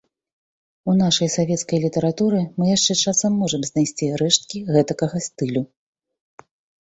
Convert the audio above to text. У нашай савецкай літаратуры мы яшчэ часам можам знайсці рэшткі гэтакага стылю.